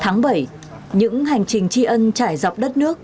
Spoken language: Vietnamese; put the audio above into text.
tháng bảy những hành trình chi ơn trải dọc đất nước